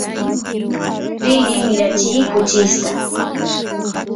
rini mirachiy kuchista